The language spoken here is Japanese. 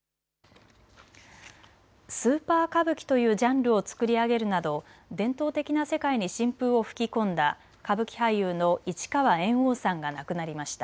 スーパー歌舞伎というジャンルを作り上げるなど伝統的な世界に新風を吹き込んだ歌舞伎俳優の市川猿翁さんが亡くなりました。